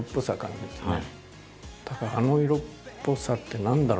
あの色っぽさって何だろう？